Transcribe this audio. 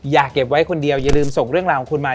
อย่าเก็บไว้คนเดียวอย่าลืมส่งเรื่องราวของคุณมา